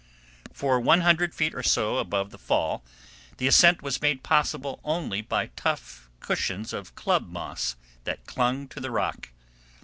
For 100 feet or so above the fall the ascent was made possible only by tough cushions of club moss that clung to the rock.